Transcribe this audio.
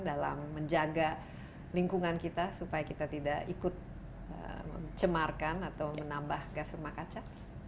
dalam menjaga lingkungan kita supaya kita tidak ikut mencemarkan atau menambah gas rumah kaca